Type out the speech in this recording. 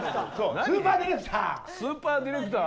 スーパーディレクター。